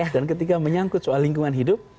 dan ketika menyangkut soal lingkungan hidup